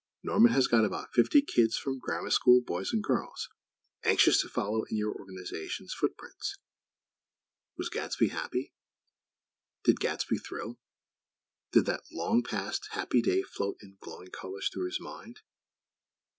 Norman has got about fifty kids from Grammar School boys and girls, anxious to follow in your Organization's foot prints." Was Gadsby happy? Did Gadsby thrill? Did that long past, happy day float in glowing colors through his mind?